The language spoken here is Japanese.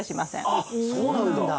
あっそうなんだ。